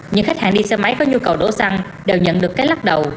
những khách hàng đi xe máy có nhu cầu đổ xăng đều nhận được cái lắc đầu